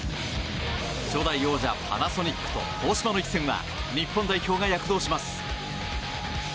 初代王者パナソニックと東芝の一戦は日本代表が躍動します。